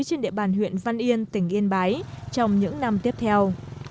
trên địa bàn huyện văn yên tỉnh yên bái trong những năm tiếp theo